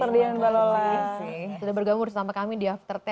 terima kasih juga municipur semua yang bersama kami di after sepuluh